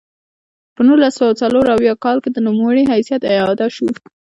په نولس سوه څلور اویا کال کې د نوموړي حیثیت اعاده شو.